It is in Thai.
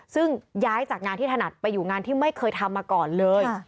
ซึ่งย้ายจากงานที่ถนัดไปอยู่งานที่ไม่เคยทำมาก่อนเลย